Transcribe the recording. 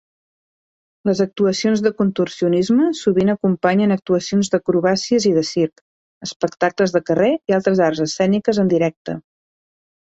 Les actuacions de contorsionisme sovint acompanyen actuacions d'acrobàcies i de circ, espectacles de carrer i altres arts escèniques en directe.